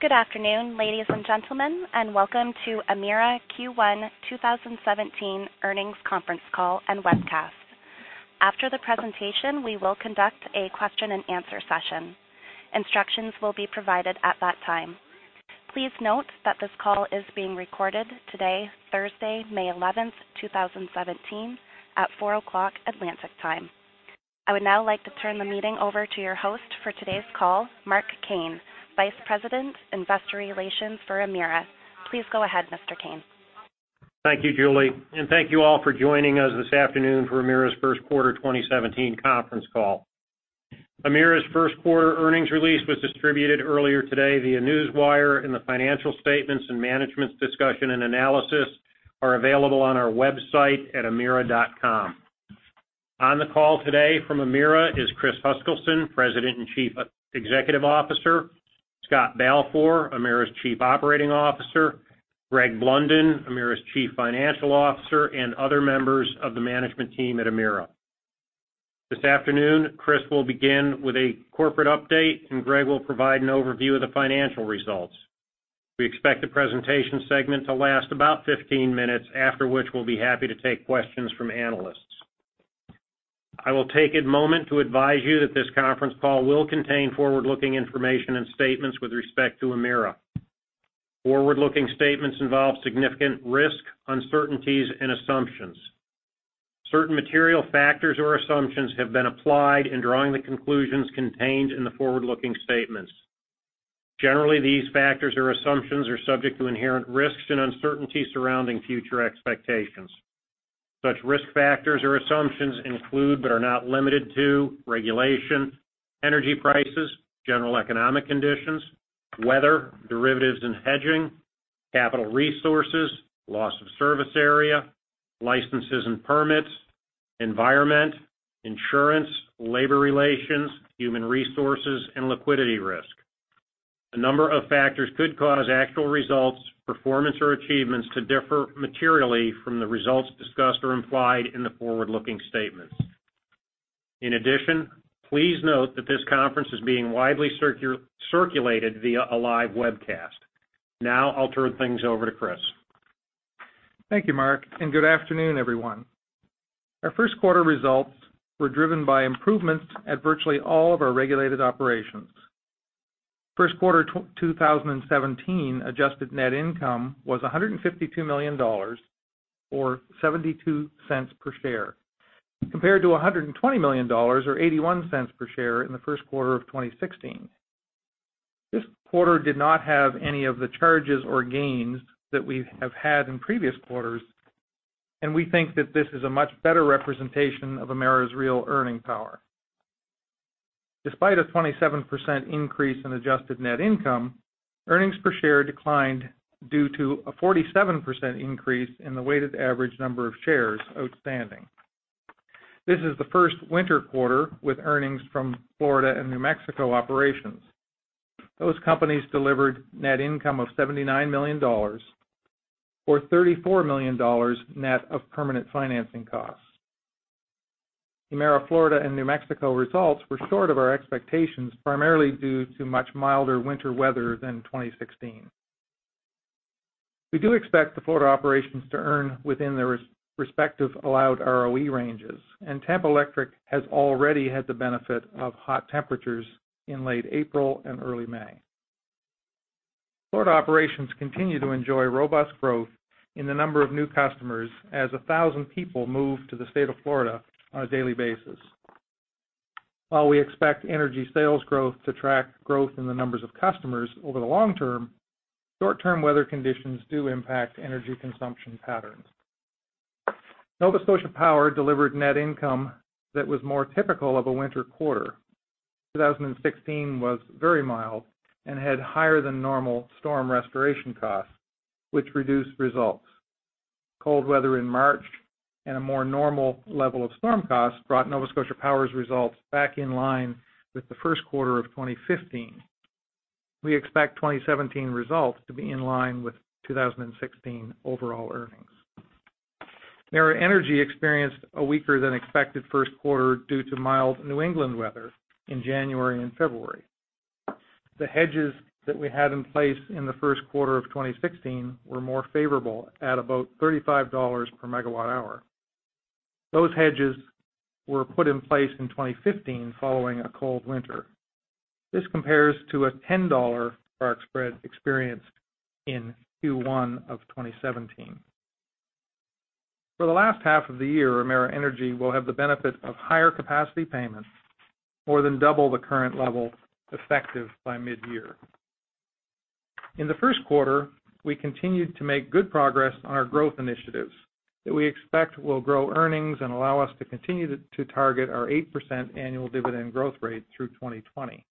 Good afternoon, ladies and gentlemen. Welcome to Emera Q1 2017 earnings conference call and webcast. After the presentation, we will conduct a question and answer session. Instructions will be provided at that time. Please note that this call is being recorded today, Thursday, May 11, 2017, at 4:00 Atlantic time. I would now like to turn the meeting over to your host for today's call, Mark Kane , Vice President, Investor Relations for Emera. Please go ahead, Mr. Jarvi. Thank you, Julie. Thank you all for joining us this afternoon for Emera's first quarter 2017 conference call. Emera's first quarter earnings release was distributed earlier today via Newswire. The financial statements and management's discussion and analysis are available on our website at emera.com. On the call today from Emera is Chris Huskilson, President and Chief Executive Officer, Scott Balfour, Emera's Chief Operating Officer, Greg Blunden, Emera's Chief Financial Officer, and other members of the management team at Emera. This afternoon, Chris will begin with a corporate update. Greg will provide an overview of the financial results. We expect the presentation segment to last about 15 minutes, after which we will be happy to take questions from analysts. I will take a moment to advise you that this conference call will contain forward-looking information and statements with respect to Emera. Forward-looking statements involve significant risk, uncertainties, and assumptions. Certain material factors or assumptions have been applied in drawing the conclusions contained in the forward-looking statements. Generally, these factors or assumptions are subject to inherent risks and uncertainties surrounding future expectations. Such risk factors or assumptions include, but are not limited to, regulation, energy prices, general economic conditions, weather, derivatives and hedging, capital resources, loss of service area, licenses and permits, environment, insurance, labor relations, human resources, and liquidity risk. A number of factors could cause actual results, performance, or achievements to differ materially from the results discussed or implied in the forward-looking statements. In addition, please note that this conference is being widely circulated via a live webcast. Now, I will turn things over to Chris. Thank you, Mark. Good afternoon, everyone. Our first quarter results were driven by improvements at virtually all of our regulated operations. First quarter 2017 adjusted net income was 152 million dollars, or 0.72 per share, compared to 120 million dollars or 0.81 per share in the first quarter of 2016. This quarter did not have any of the charges or gains that we have had in previous quarters. We think that this is a much better representation of Emera's real earning power. Despite a 27% increase in adjusted net income, earnings per share declined due to a 47% increase in the weighted average number of shares outstanding. This is the first winter quarter with earnings from Florida and New Mexico operations. Those companies delivered net income of 79 million dollars, or 34 million dollars net of permanent financing costs. Emera Florida and New Mexico results were short of our expectations, primarily due to much milder winter weather than 2016. We do expect the Florida operations to earn within their respective allowed ROE ranges, and Tampa Electric has already had the benefit of hot temperatures in late April and early May. Florida operations continue to enjoy robust growth in the number of new customers as 1,000 people move to the state of Florida on a daily basis. While we expect energy sales growth to track growth in the numbers of customers over the long term, short-term weather conditions do impact energy consumption patterns. Nova Scotia Power delivered net income that was more typical of a winter quarter. 2016 was very mild and had higher than normal storm restoration costs, which reduced results. Cold weather in March and a more normal level of storm costs brought Nova Scotia Power's results back in line with the first quarter of 2015. We expect 2017 results to be in line with 2016 overall earnings. Emera Energy experienced a weaker than expected first quarter due to mild New England weather in January and February. The hedges that we had in place in the first quarter of 2016 were more favorable at about 35 dollars per megawatt hour. Those hedges were put in place in 2015 following a cold winter. This compares to a 10 dollar spark spread experienced in Q1 of 2017. For the last half of the year, Emera Energy will have the benefit of higher capacity payments, more than double the current level effective by mid-year. In the first quarter, we continued to make good progress on our growth initiatives that we expect will grow earnings and allow us to continue to target our 8% annual dividend growth rate through 2020.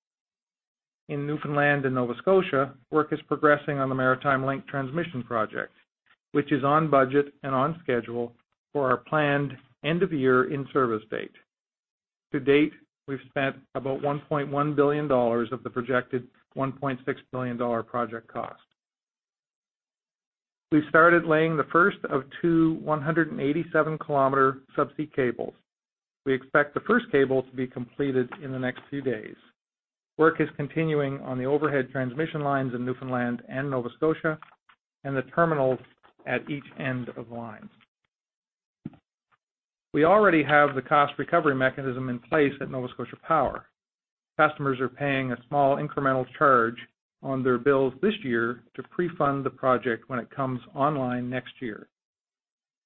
In Newfoundland and Nova Scotia, work is progressing on the Maritime Link Transmission Project, which is on budget and on schedule for our planned end of the year in-service date. To date, we've spent about 1.1 billion dollars of the projected 1.6 billion dollar project cost. We started laying the first of two 187-kilometer subsea cables. We expect the first cable to be completed in the next few days. Work is continuing on the overhead transmission lines in Newfoundland and Nova Scotia, and the terminals at each end of the line. We already have the cost recovery mechanism in place at Nova Scotia Power. Customers are paying a small incremental charge on their bills this year to pre-fund the project when it comes online next year.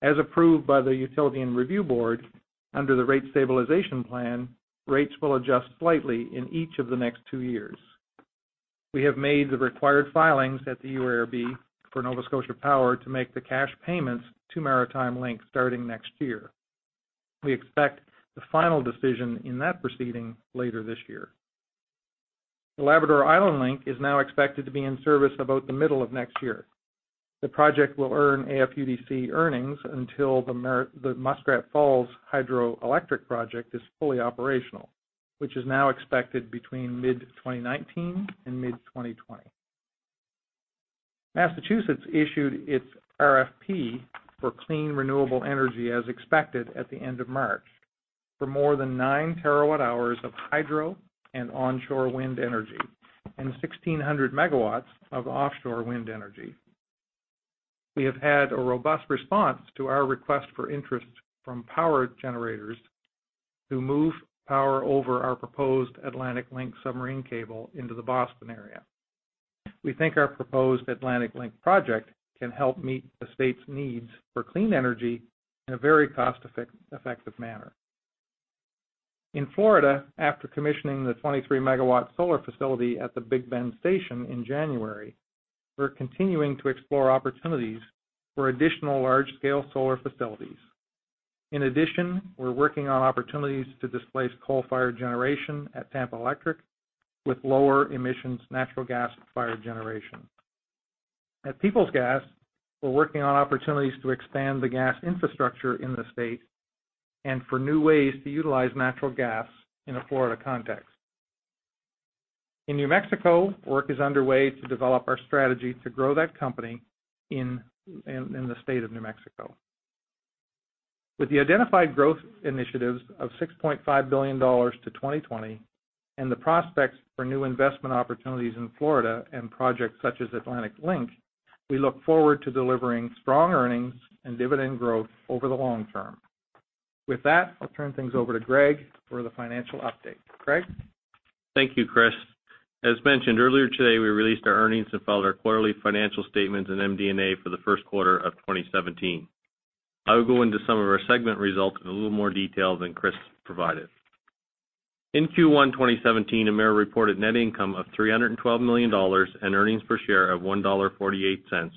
As approved by the Nova Scotia Utility and Review Board, under the Rate Stabilization Plan, rates will adjust slightly in each of the next two years. We have made the required filings at the URB for Nova Scotia Power to make the cash payments to Maritime Link starting next year. We expect the final decision in that proceeding later this year. The Labrador-Island Link is now expected to be in service about the middle of next year. The project will earn AFUDC earnings until the Muskrat Falls hydroelectric project is fully operational, which is now expected between mid-2019 and mid-2020. Massachusetts issued its RFP for clean, renewable energy, as expected, at the end of March, for more than nine terawatt-hours of hydro and onshore wind energy and 1,600 megawatts of offshore wind energy. We have had a robust response to our request for interest from power generators to move power over our proposed Atlantic Link submarine cable into the Boston area. We think our proposed Atlantic Link project can help meet the state's needs for clean energy in a very cost-effective manner. In Florida, after commissioning the 23-megawatt solar facility at the Big Bend Station in January, we're continuing to explore opportunities for additional large-scale solar facilities. We're working on opportunities to displace coal-fired generation at Tampa Electric with lower emissions natural gas-fired generation. At Peoples Gas, we're working on opportunities to expand the gas infrastructure in the state and for new ways to utilize natural gas in a Florida context. In New Mexico, work is underway to develop our strategy to grow that company in the state of New Mexico. With the identified growth initiatives of 6.5 billion dollars to 2020 and the prospects for new investment opportunities in Florida and projects such as Atlantic Link, we look forward to delivering strong earnings and dividend growth over the long term. With that, I'll turn things over to Greg for the financial update. Greg? Thank you, Chris. As mentioned earlier today, we released our earnings and filed our quarterly financial statements and MD&A for the first quarter of 2017. I will go into some of our segment results in a little more detail than Chris provided. In Q1 2017, Emera reported net income of 312 million dollars and earnings per share of 1.48 dollar,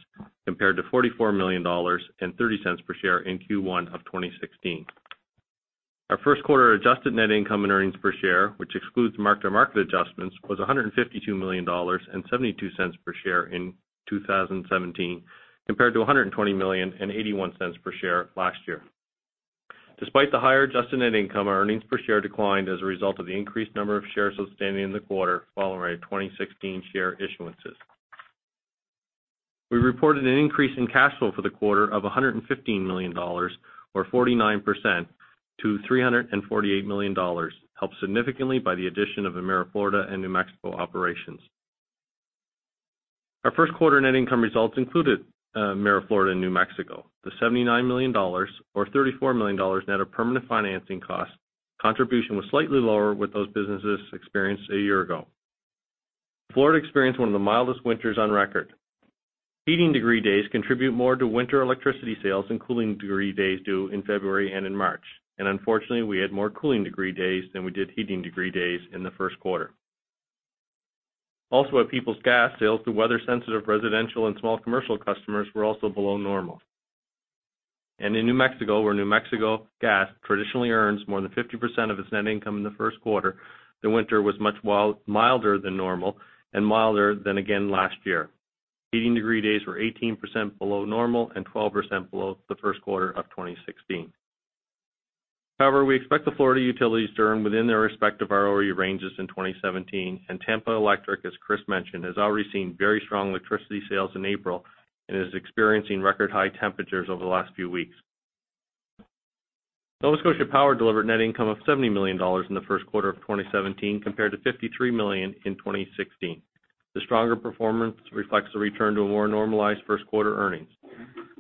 compared to 44 million dollars and 0.30 per share in Q1 of 2016. Our first quarter adjusted net income and earnings per share, which excludes mark-to-market adjustments, was 152 million dollars and 0.72 per share in 2017, compared to 120 million and 0.81 per share last year. Despite the higher adjusted net income, our earnings per share declined as a result of the increased number of shares outstanding in the quarter following our 2016 share issuances. We reported an increase in cash flow for the quarter of 115 million dollars or 49% to 348 million dollars, helped significantly by the addition of Emera Florida and New Mexico operations. Our first quarter net income results included Emera Florida and New Mexico. The 79 million dollars or 34 million dollars net of permanent financing cost contribution was slightly lower what those businesses experienced a year ago. Florida experienced one of the mildest winters on record. Heating degree days contribute more to winter electricity sales than cooling degree days do in February and in March. Unfortunately, we had more cooling degree days than we did heating degree days in the first quarter. At Peoples Gas, sales to weather-sensitive residential and small commercial customers were also below normal. In New Mexico, where New Mexico Gas traditionally earns more than 50% of its net income in the first quarter, the winter was much milder than normal and milder than again last year. Heating degree days were 18% below normal and 12% below the first quarter of 2016. We expect the Florida utilities to earn within their respective ROE ranges in 2017, and Tampa Electric, as Chris mentioned, has already seen very strong electricity sales in April and is experiencing record high temperatures over the last few weeks. Nova Scotia Power delivered net income of 70 million dollars in the first quarter of 2017, compared to 53 million in 2016. The stronger performance reflects a return to more normalized first quarter earnings.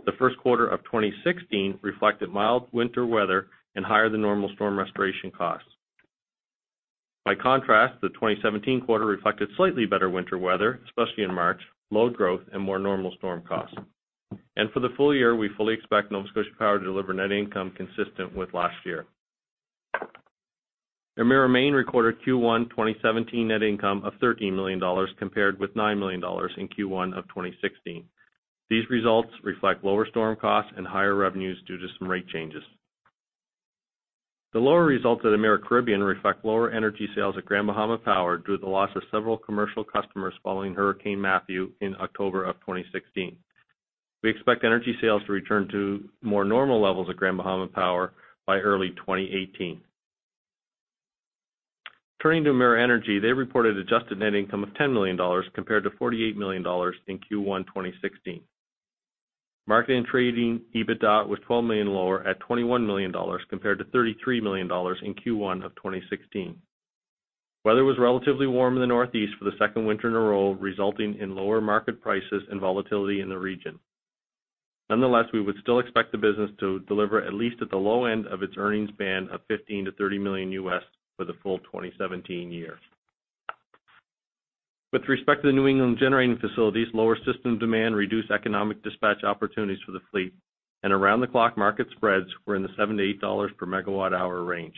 The first quarter of 2016 reflected mild winter weather and higher-than-normal storm restoration costs. By contrast, the 2017 quarter reflected slightly better winter weather, especially in March, load growth, and more normal storm costs. For the full year, we fully expect Nova Scotia Power to deliver net income consistent with last year. Emera Maine recorded Q1 2017 net income of 13 million dollars, compared with 9 million dollars in Q1 of 2016. These results reflect lower storm costs and higher revenues due to some rate changes. The lower results at Emera Caribbean reflect lower energy sales at Grand Bahama Power due to the loss of several commercial customers following Hurricane Matthew in October of 2016. We expect energy sales to return to more normal levels at Grand Bahama Power by early 2018. Turning to Emera Energy, they reported adjusted net income of 10 million dollars compared to 48 million dollars in Q1 2016. Market and trading EBITDA was 12 million lower at 21 million dollars compared to 33 million dollars in Q1 of 2016. Weather was relatively warm in the Northeast for the second winter in a row, resulting in lower market prices and volatility in the region. We would still expect the business to deliver at least at the low end of its earnings band of $15 million-$30 million US for the full 2017 year. With respect to the New England generating facilities, lower system demand reduced economic dispatch opportunities for the fleet, and around-the-clock market spreads were in the $7-$8 per megawatt hour range.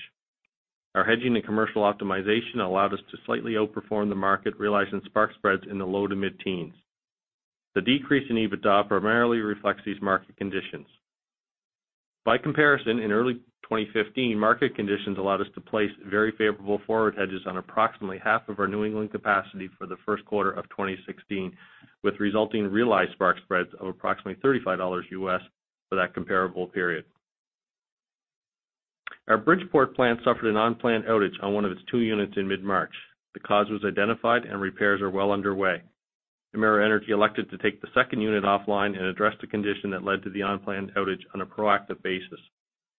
Our hedging and commercial optimization allowed us to slightly outperform the market, realizing spark spreads in the low to mid-teens. The decrease in EBITDA primarily reflects these market conditions. By comparison, in early 2015, market conditions allowed us to place very favorable forward hedges on approximately half of our New England capacity for the first quarter of 2016, with resulting realized spark spreads of approximately $35 US for that comparable period. Our Bridgeport plant suffered an unplanned outage on one of its two units in mid-March. The cause was identified, and repairs are well underway. Emera Energy elected to take the second unit offline and address the condition that led to the unplanned outage on a proactive basis.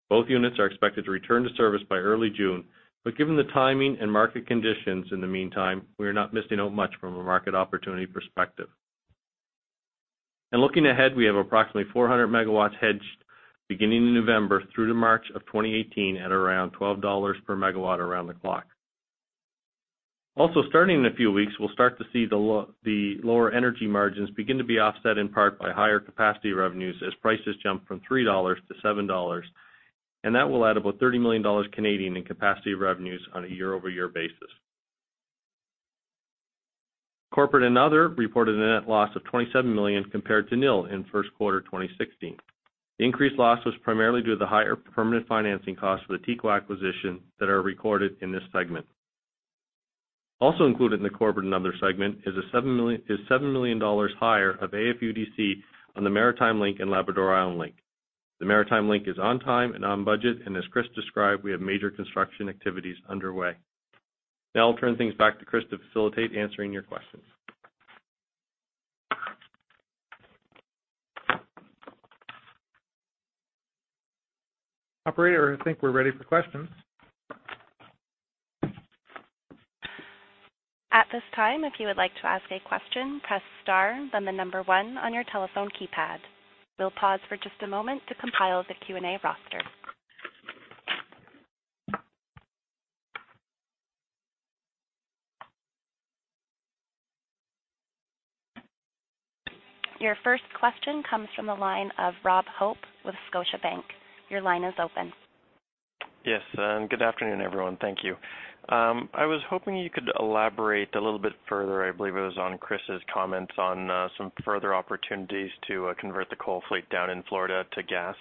Both units are expected to return to service by early June, but given the timing and market conditions in the meantime, we are not missing out much from a market opportunity perspective. Looking ahead, we have approximately 400 megawatts hedged beginning in November through to March of 2018 at around $12 per megawatt around-the-clock. Starting in a few weeks, we'll start to see the lower energy margins begin to be offset in part by higher capacity revenues as prices jump from 3 dollars to 7 dollars, and that will add about 30 million Canadian dollars Canadian in capacity revenues on a year-over-year basis. Corporate and other reported a net loss of 27 million compared to nil in first quarter 2016. The increased loss was primarily due to the higher permanent financing cost for the TECO acquisition that are recorded in this segment. Included in the corporate and other segment is 7 million higher of AFUDC on the Maritime Link and Labrador-Island Link. The Maritime Link is on time and on budget, and as Chris described, we have major construction activities underway. I'll turn things back to Chris to facilitate answering your questions. Operator, I think we're ready for questions. At this time, if you would like to ask a question, press star, then the number 1 on your telephone keypad. We'll pause for just a moment to compile the Q&A roster. Your first question comes from the line of Robert Hope with Scotiabank. Your line is open. Yes. Good afternoon, everyone. Thank you. I was hoping you could elaborate a little bit further, I believe it was on Chris's comments on some further opportunities to convert the coal fleet down in Florida to gas.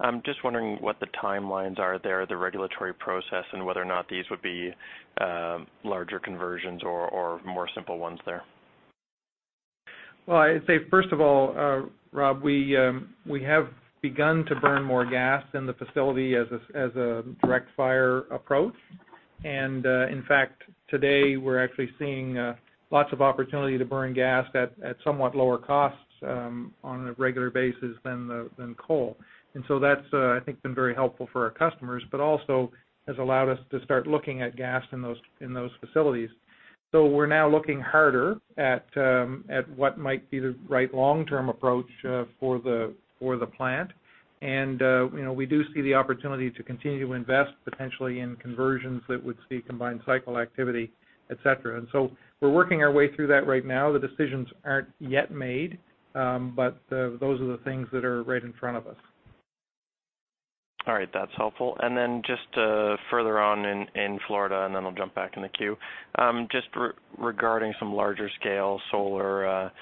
I'm just wondering what the timelines are there, the regulatory process, and whether or not these would be larger conversions or more simple ones there. Well, first of all, Rob, we have begun to burn more gas in the facility as a direct fire approach. In fact, today, we're actually seeing lots of opportunity to burn gas at somewhat lower costs on a regular basis than coal. That's, I think, been very helpful for our customers, but also has allowed us to start looking at gas in those facilities. We're now looking harder at what might be the right long-term approach for the plant. We do see the opportunity to continue to invest potentially in conversions that would see combined cycle activity, et cetera. We're working our way through that right now. The decisions aren't yet made, but those are the things that are right in front of us. All right. That's helpful. Then just further on in Florida, then I'll jump back in the queue. Just regarding some larger-scale solar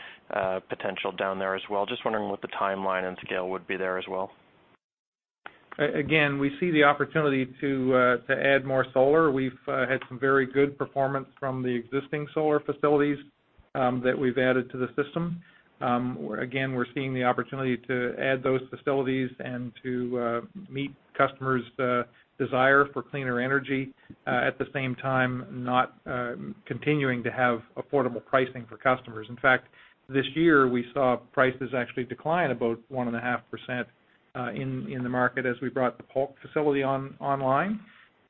potential down there as well, just wondering what the timeline and scale would be there as well. Again, we see the opportunity to add more solar. We've had some very good performance from the existing solar facilities that we've added to the system. Again, we're seeing the opportunity to add those facilities and to meet customers' desire for cleaner energy. At the same time, not continuing to have affordable pricing for customers. In fact, this year we saw prices actually decline about 1.5% in the market as we brought the Polk facility online.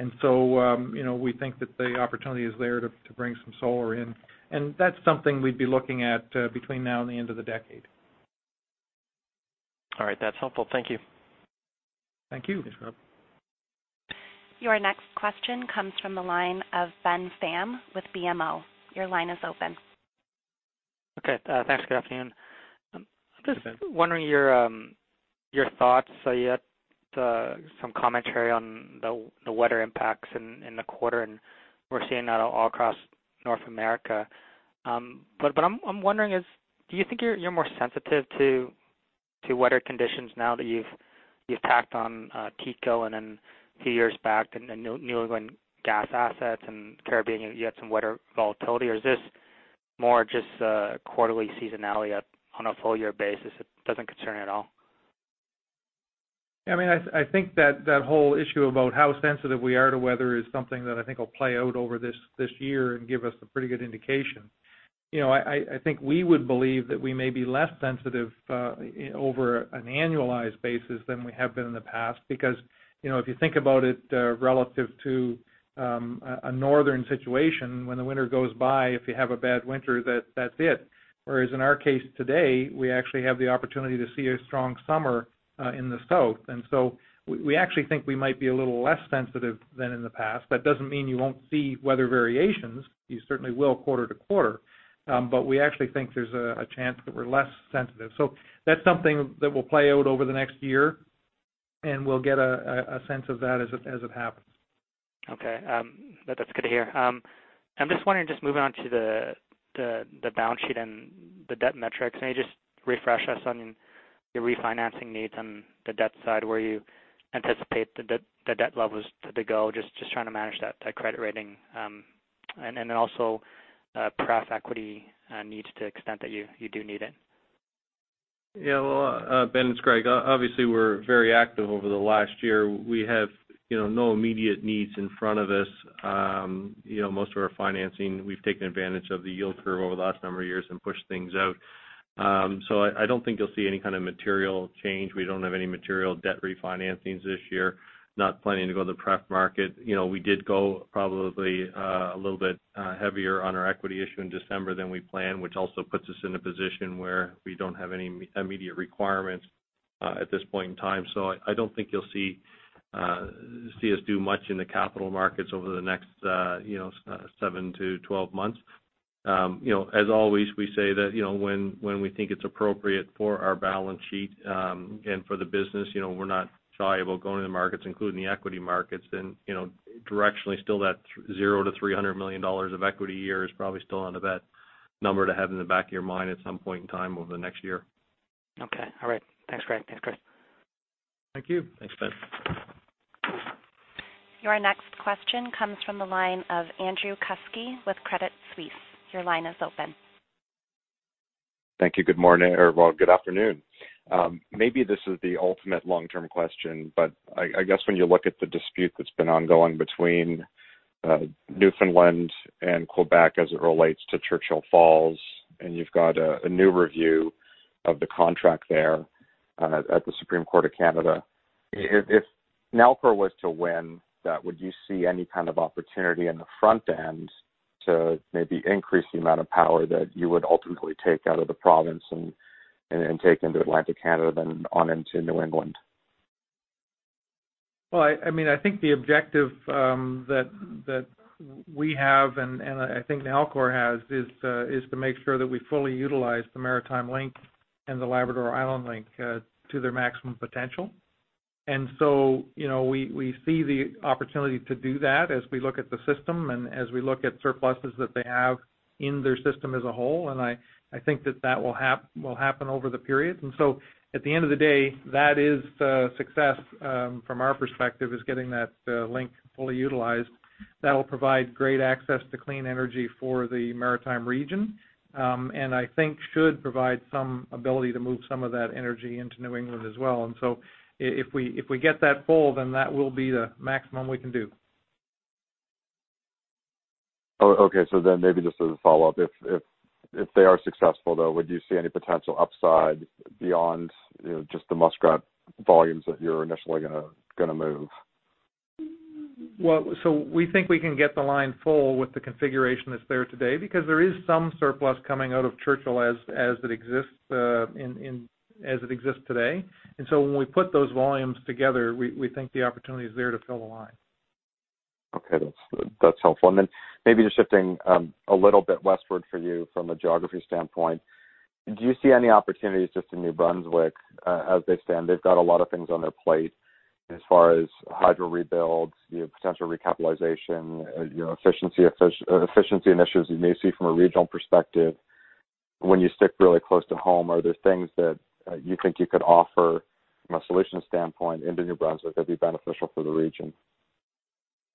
We think that the opportunity is there to bring some solar in, and that's something we'd be looking at between now and the end of the decade. All right. That's helpful. Thank you. Thank you. Thanks, Rob. Your next question comes from the line of Ben Pham with BMO. Your line is open. Okay, thanks. Good afternoon. Hi, Ben. I'm just wondering your thoughts. You had some commentary on the weather impacts in the quarter. We're seeing that all across North America. I'm wondering is, do you think you're more sensitive to weather conditions now that you've tacked on TECO and then a few years back, the New England gas assets and Caribbean, you had some weather volatility? Is this more just quarterly seasonality on a full-year basis? It doesn't conce`rn at all. I think that whole issue about how sensitive we are to weather is something that I think will play out over this year and give us a pretty good indication. I think we would believe that we may be less sensitive over an annualized basis than we have been in the past, because if you think about it relative to a northern situation, when the winter goes by, if you have a bad winter, that's it. Whereas in our case today, we actually have the o`pportunity to see a strong summer in the south. We actually think we might be a little less sensitive than in the past. That doesn't mean you won't see weather variations. You certainly will quarter to quarter. We actually think there's a chance that we're less sensitive. That's something that will play out over the next year, and we'll get a sense of that as it happens. Okay. That's good to hear. I'm just wondering, just moving on to the balance sheet and the debt metrics, can you just refresh us on your refinancing needs on the debt side, where you anticipate the debt levels to go, just trying to manage that credit rating. Also, pref equity needs to the extent that you do need it. Ben, it's Greg. Obviously, we're very active over the last year. We have no immediate needs in front of us. Most of our financing, we've taken advantage of the yield curve over the last number of years and pushed things out. I don't think you'll see any kind of material change. We don't have any material debt refinancings this year, not planning to go to the pref market. We did go probably a little bit heavier on our equity issue in December than we planned, which also puts us in a position where we don't have any immediate requirements at this point in time. I don't think you'll see us do much in the capital markets over the next seven to 12 months. As always, we say that when we think it's appropriate for our balance sheet and for the business, we're not shy about going to the markets, including the equity markets. Directionally, still that 0 to 300 million dollars of equity a year is probably still the number to have in the back of your mind at some point in time over the next year. Okay. All right. Thanks, Greg. Thank you. Thanks, Ben. Your next question comes from the line of Andrew Kuske with Credit Suisse. Your line is open. Thank you. Good morning, or good afternoon. Maybe this is the ultimate long-term question, but I guess when you look at the dispute that's been ongoing between Newfoundland and Quebec as it relates to Churchill Falls, and you've got a new review of the contract there at the Supreme Court of Canada. If Nalcor was to win that, would you see any kind of opportunity in the front end to maybe increase the amount of power that you would ultimately take out of the province and take into Atlantic Canada, then on into New England? I think the objective that we have, and I think Nalcor has, is to make sure that we fully utilize the Maritime Link and the Labrador-Island Link to their maximum potential. We see the opportunity to do that as we look at the system and as we look at surpluses that they have in their system as a whole. I think that that will happen over the period. At the end of the day, that is success from our perspective, is getting that link fully utilized. That'll provide great access to clean energy for the maritime region. I think should provide some ability to move some of that energy into New England as well. If we get that full, then that will be the maximum we can do. Okay. Maybe just as a follow-up, if they are successful, though, would you see any potential upside beyond just the Muskrat volumes that you're initially going to move? We think we can get the line full with the configuration that's there today because there is some surplus coming out of Churchill as it exists today. When we put those volumes together, we think the opportunity is there to fill the line. Okay. That's helpful. Maybe just shifting a little bit westward for you from a geography standpoint, do you see any opportunities just in New Brunswick as they stand? They've got a lot of things on their plate as far as hydro rebuilds, potential recapitalization, efficiency initiatives you may see from a regional perspective. When you stick really close to home, are there things that you think you could offer from a solution standpoint into New Brunswick that'd be beneficial for the region?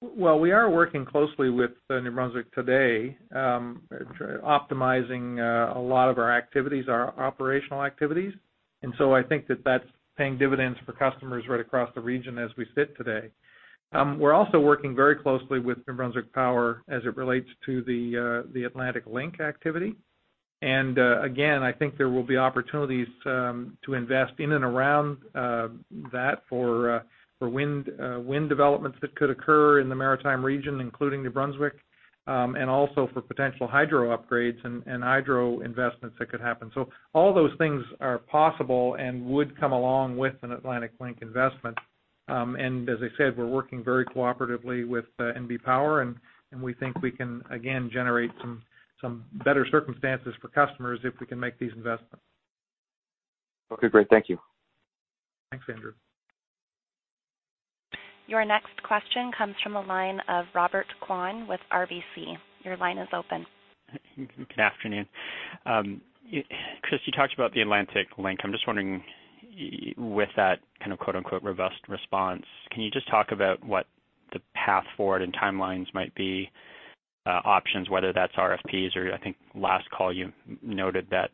We are working closely with New Brunswick today, optimizing a lot of our activities, our operational activities. I think that that's paying dividends for customers right across the region as we sit today. We're also working very closely with New Brunswick Power as it relates to the Atlantic Link activity. Again, I think there will be opportunities to invest in and around that for wind developments that could occur in the maritime region, including New Brunswick, and also for potential hydro upgrades and hydro investments that could happen. All those things are possible and would come along with an Atlantic Link investment. As I said, we're working very cooperatively with NB Power, and we think we can, again, generate some better circumstances for customers if we can make these investments. Okay, great. Thank you. Thanks, Andrew. Your next question comes from the line of Robert Kwan with RBC. Your line is open. Good afternoon. Chris, you talked about the Atlantic Link. I am just wondering, with that kind of quote-unquote robust response, can you just talk about what the path forward and timelines might be, options, whether that's RFPs or I think last call you noted that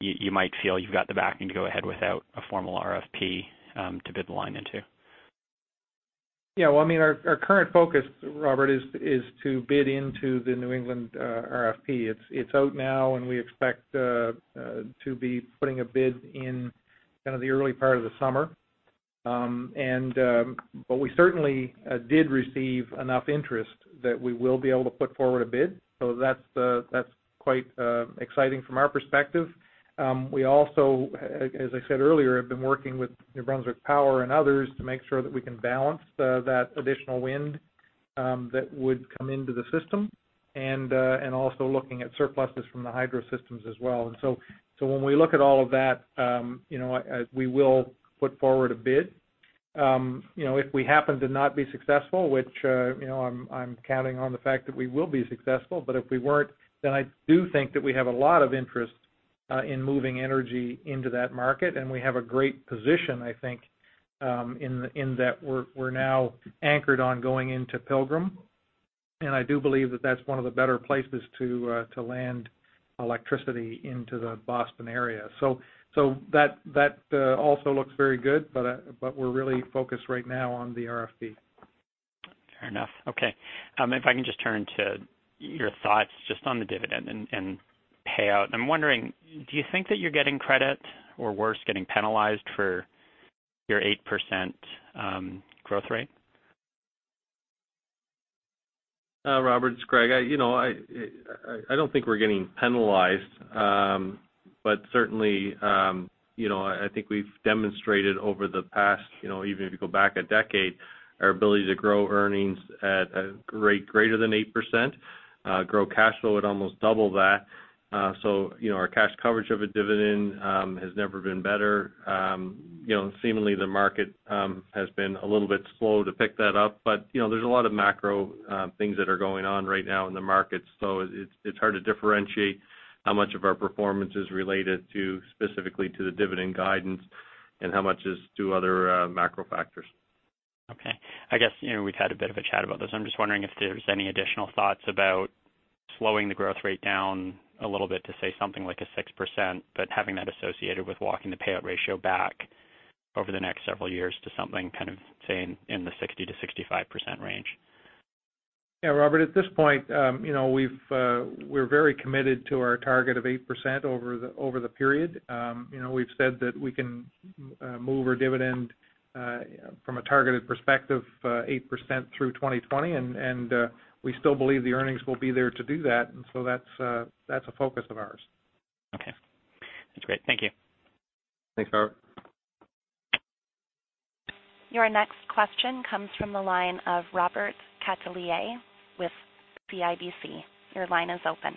you might feel you have the backing to go ahead without a formal RFP to bid the line into? Yeah. Well, our current focus, Robert, is to bid into the New England RFP. It is out now, and we expect to be putting a bid in the early part of the summer. We certainly did receive enough interest that we will be able to put forward a bid. That is quite exciting from our perspective. We also, as I said earlier, have been working with New Brunswick Power and others to make sure that we can balance that additional wind that would come into the system, and also looking at surpluses from the hydro systems as well. When we look at all of that, we will put forward a bid. If we happen to not be successful, which I am counting on the fact that we will be successful, but if we weren't, I do think that we have a lot of interest in moving energy into that market. We have a great position, I think, in that we are now anchored on going into Pilgrim. I do believe that that is one of the better places to land electricity into the Boston area. That also looks very good, but we are really focused right now on the RFP. Fair enough. Okay. If I can just turn to your thoughts just on the dividend and payout. I am wondering, do you think that you are getting credit or worse, getting penalized for your 8% growth rate? Robert, it's Greg. I don't think we're getting penalized. Certainly, I think we've demonstrated over the past, even if you go back a decade, our ability to grow earnings at a rate greater than 8%, grow cash flow at almost double that. Our cash coverage of a dividend has never been better. Seemingly, the market has been a little bit slow to pick that up. There's a lot of macro things that are going on right now in the market. It's hard to differentiate how much of our performance is related specifically to the dividend guidance and how much is to other macro factors. Okay. I guess, we've had a bit of a chat about this. I'm just wondering if there's any additional thoughts about slowing the growth rate down a little bit to, say, something like a 6%, having that associated with walking the payout ratio back over the next several years to something kind of, say, in the 60%-65% range. Yeah, Robert, at this point, we're very committed to our target of 8% over the period. We've said that we can move our dividend, from a targeted perspective, 8% through 2020, and we still believe the earnings will be there to do that. That's a focus of ours. Okay. That's great. Thank you. Thanks, Robert. Your next question comes from the line of Robert Catellier with CIBC. Your line is open.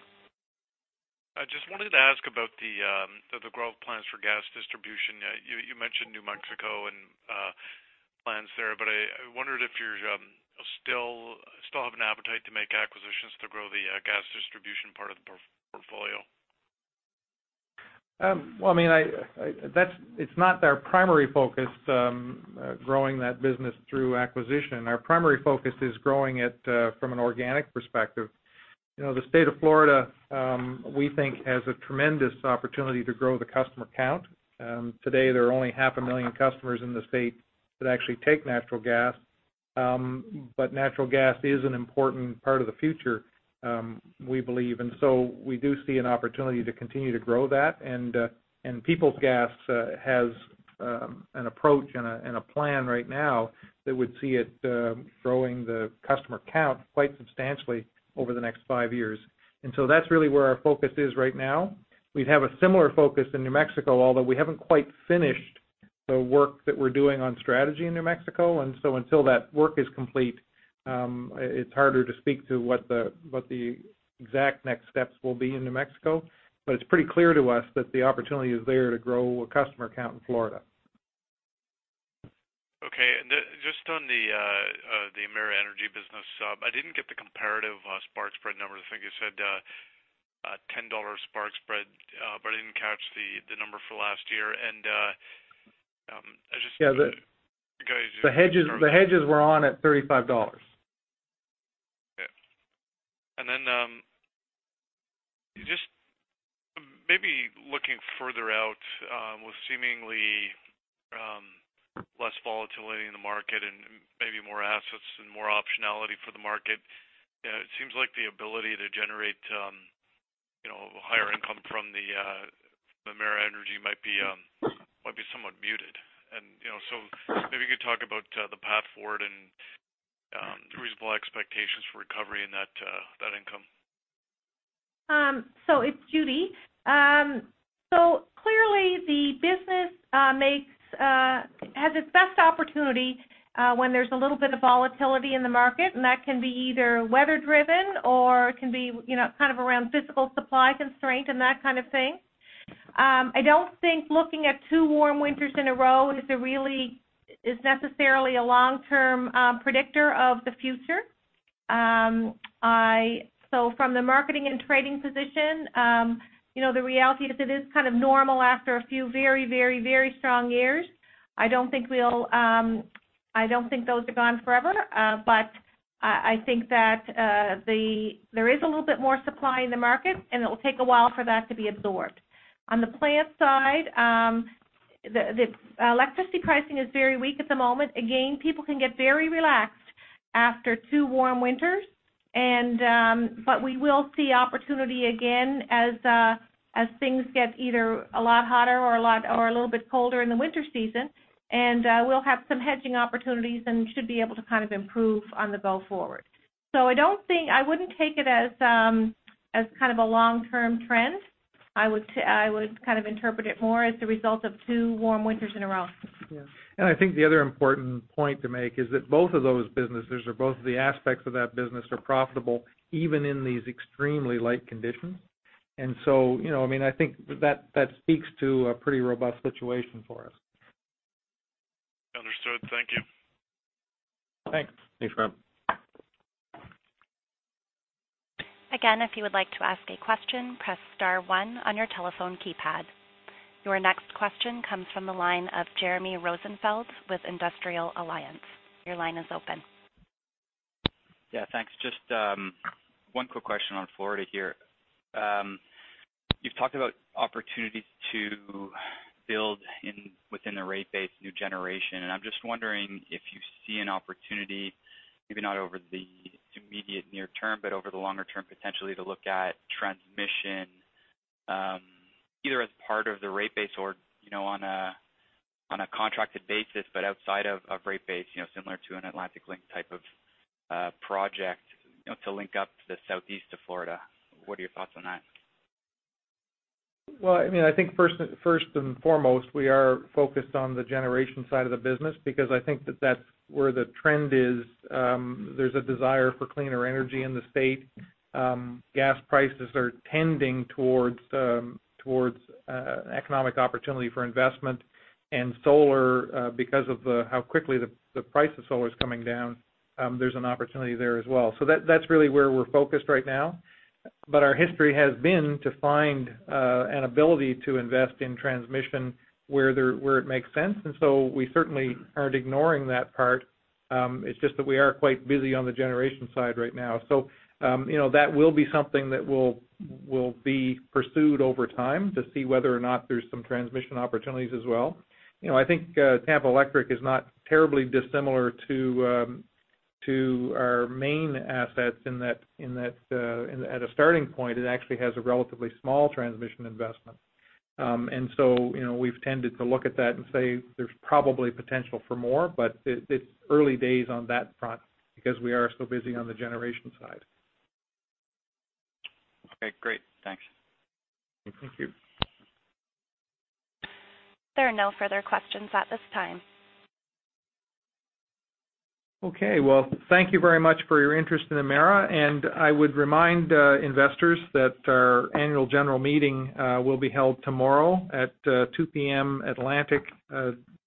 I just wanted to ask about the growth plans for gas distribution. You mentioned New Mexico and plans there, but I wondered if you still have an appetite to make acquisitions to grow the gas distribution part of the portfolio. Well, it's not our primary focus growing that business through acquisition. Our primary focus is growing it from an organic perspective. The state of Florida, we think, has a tremendous opportunity to grow the customer count. Today, there are only half a million customers in the state that actually take natural gas. Natural gas is an important part of the future, we believe. We do see an opportunity to continue to grow that. Peoples Gas has an approach and a plan right now that would see it growing the customer count quite substantially over the next five years. That's really where our focus is right now. We have a similar focus in New Mexico, although we haven't quite finished the work that we're doing on strategy in New Mexico. Until that work is complete, it's harder to speak to what the exact next steps will be in New Mexico. It's pretty clear to us that the opportunity is there to grow a customer count in Florida. Okay. Just on the Emera Energy business, I didn't get the comparative spark spread numbers. I think you said a 10 dollar spark spread, but I didn't catch the number for last year. Yeah. Could you guys- The hedges were on at 35 dollars. Okay. Then, just maybe looking further out, with seemingly less volatility in the market and maybe more assets and more optionality for the market, it seems like the ability to generate higher income from the Emera Energy might be somewhat muted. Maybe you could talk about the path forward and the reasonable expectations for recovery in that income. It's Judy. Clearly the business has its best opportunity when there's a little bit of volatility in the market, and that can be either weather driven or it can be kind of around physical supply constraint and that kind of thing. I don't think looking at two warm winters in a row is necessarily a long-term predictor of the future. From the marketing and trading position, the reality is that it is kind of normal after a few very strong years. I don't think those are gone forever. I think that there is a little bit more supply in the market, and it will take a while for that to be absorbed. On the plant side, the electricity pricing is very weak at the moment. Again, people can get very relaxed after two warm winters. We will see opportunity again as things get either a lot hotter or a little bit colder in the winter season. We'll have some hedging opportunities and should be able to improve on the go forward. I wouldn't take it as a long-term trend. I would interpret it more as the result of two warm winters in a row. Yeah. I think the other important point to make is that both of those businesses, or both of the aspects of that business, are profitable even in these extremely light conditions. I think that speaks to a pretty robust situation for us. Understood. Thank you. Thanks. Thanks, Rob. Again, if you would like to ask a question, press star one on your telephone keypad. Your next question comes from the line of Jeremy Rosenfield with Industrial Alliance. Your line is open. Yeah, thanks. Just one quick question on Florida here. You've talked about opportunities to build within the rate base new generation, and I'm just wondering if you see an opportunity, maybe not over the immediate near term, but over the longer term potentially to look at transmission, either as part of the rate base or on a contracted basis but outside of rate base, similar to an Atlantic Link type of project to link up the Southeast of Florida. What are your thoughts on that? I think first and foremost, we are focused on the generation side of the business because I think that that's where the trend is. There's a desire for cleaner energy in the state. Gas prices are tending towards economic opportunity for investment. Solar, because of how quickly the price of solar is coming down, there's an opportunity there as well. That's really where we're focused right now. Our history has been to find an ability to invest in transmission where it makes sense. We certainly aren't ignoring that part. It's just that we are quite busy on the generation side right now. That will be something that will be pursued over time to see whether or not there's some transmission opportunities as well. I think Tampa Electric is not terribly dissimilar to our Maine assets in that at a starting point, it actually has a relatively small transmission investment. We've tended to look at that and say there's probably potential for more, it's early days on that front because we are so busy on the generation side. Okay, great. Thanks. Thank you. There are no further questions at this time. Okay. Well, thank you very much for your interest in Emera. I would remind investors that our annual general meeting will be held tomorrow at 2:00 P.M. Atlantic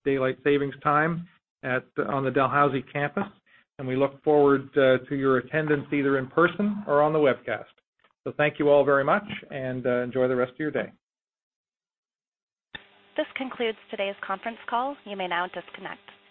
Daylight Savings Time on the Dalhousie campus. We look forward to your attendance either in person or on the webcast. Thank you all very much, and enjoy the rest of your day. This concludes today's conference call. You may now disconnect.